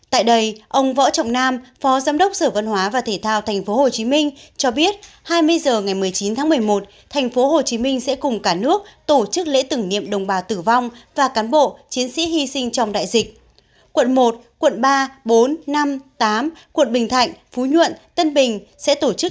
tại đây ông võ trọng nam phó giám đốc sở văn hóa và thể thao tp hcm cho biết hai mươi h ngày một mươi chín tháng một mươi một tp hcm sẽ cùng cả nước tổ chức lễ tử nghiệm đồng bào tử vong và cán bộ chiến sĩ hy sinh trong đại dịch